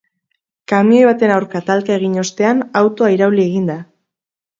Kamioi baten aurka talka egin ostean, autoa irauli egin da.